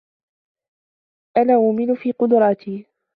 انا أؤمن في قدراتي.